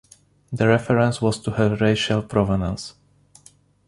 The reference was to her racial provenance.